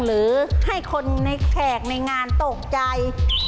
หรือให้คนในแขกในงานตกใจ